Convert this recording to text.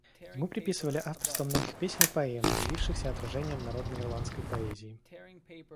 Ему приписывали авторство многих песен и поэм, явившихся отражением народной ирландской поэзии.